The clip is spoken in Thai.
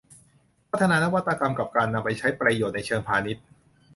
พัฒนานวัตกรรมกับการนำไปใช้ประโยชน์ในเชิงพาณิชย์